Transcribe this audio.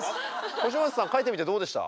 星街さん描いてみてどうでした？